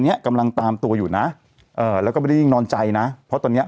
เนี้ยกำลังตามตัวอยู่นะเอ่อแล้วก็ไม่ได้ยิ่งนอนใจนะเพราะตอนเนี้ย